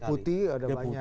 deputi ada banyak